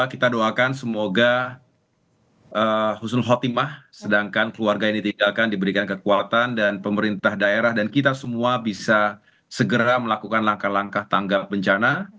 kita doakan semoga husul khotimah sedangkan keluarga ini tidak akan diberikan kekuatan dan pemerintah daerah dan kita semua bisa segera melakukan langkah langkah tanggap bencana